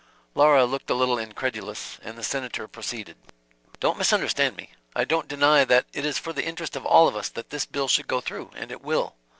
Laura looked a little incredulous, and the Senator proceeded. "Don't misunderstand me, I don't deny that it is for the interest of all of us that this bill should go through, and it will.